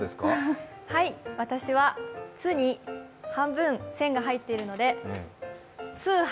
私は「つ」に半分線が入っているので通販。